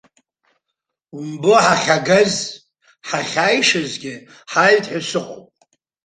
Умбо ҳахьагаз, ҳахьааишазгьы ҳааит ҳәа сыҟоуп.